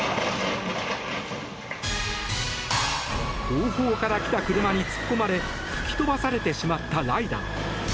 後方から来た車に突っ込まれ吹き飛ばされてしまったライダー。